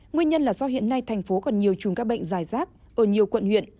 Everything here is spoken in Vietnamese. nguyên nhân là do hiện nay thành phố còn nhiều chùm các bệnh dài rác ở nhiều quận huyện